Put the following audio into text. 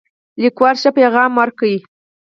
لیکوال ښه پیغام ورکړی.